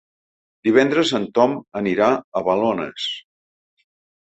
Divendres en Tom anirà a Balones.